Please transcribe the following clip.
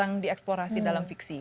yang tidak di eksplorasi dalam fiksi